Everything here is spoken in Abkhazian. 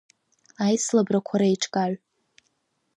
Аицлабрақәа реиҿкааҩ…